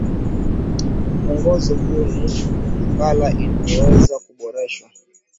Mwongozo huu ni nakala inayoweza kuboreshwa